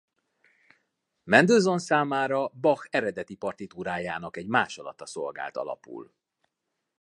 Mendelssohn számára Bach eredeti partitúrájának egy másolata szolgált alapul.